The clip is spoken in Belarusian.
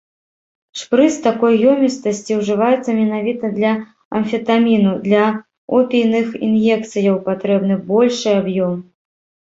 Шпрыц такой ёмістасці ўжываецца менавіта для амфетаміну, для опійных ін'екцыяў патрэбны большы аб'ём.